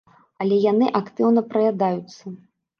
Але яны актыўна праядаюцца.